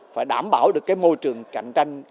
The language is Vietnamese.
phải đảm bảo được cái môi trường cạnh tranh